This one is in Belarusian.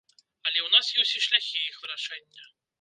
Але ў нас ёсць і шляхі іх вырашэння.